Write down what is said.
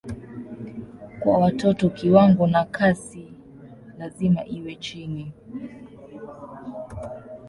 Kwa watoto kiwango na kasi lazima iwe chini.